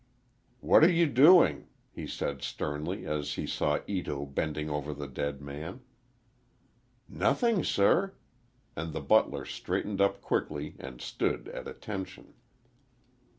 "What are you doing?" he said sternly, as he saw Ito bending over the dead man. "Nothing, sir," and the butler straightened up quickly and stood at attention.